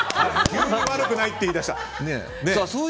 急に悪くないって言い出した。